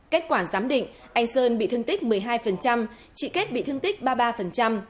kết quả giám định anh sơn bị thương tích một mươi hai chị kết bị thương tích ba mươi ba